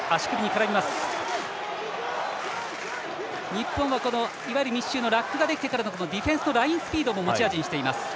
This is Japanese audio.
日本は、いわゆる密集のラックができてからのディフェンスのラインスピードも持ち味にしています。